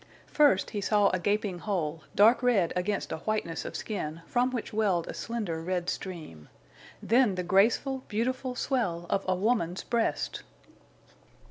First he saw a gaping hole, dark red against a whiteness of skin, from which welled a slender red stream. Then the graceful, beautiful swell of a woman's breast!